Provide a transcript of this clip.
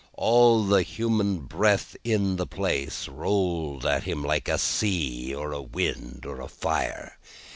All the human breath in the place, rolled at him, like a sea, or a wind, or a fire.